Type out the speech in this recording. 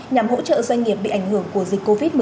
nhằm hỗ trợ doanh nghiệp bị ảnh hưởng của dịch covid một mươi chín